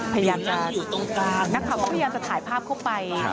พยายามจะนักข่าวก็พยายามจะถ่ายภาพเข้าไป